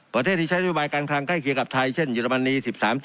ประเทศที่ใช้นโยบายการคลังใกล้เคียงกับไทยเช่นเรมนี๑๓๗